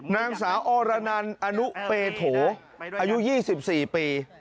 นางสาวอรนันอนุเปโถอายุ๒๔ปี